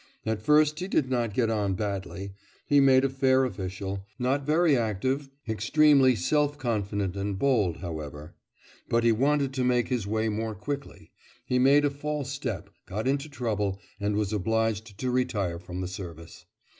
At first he did not get on badly, he made a fair official, not very active, extremely self confident and bold, however; but he wanted to make his way more quickly, he made a false step, got into trouble, and was obliged to retire from the service.